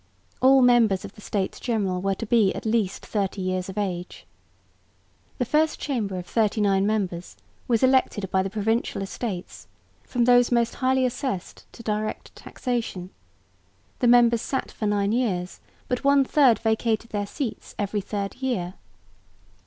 All members of the States General were to be at least 30 years of age. The First Chamber of 39 members was elected by the Provincial Estates from those most highly assessed to direct taxation; the members sat for nine years, but one third vacated their seats every third year.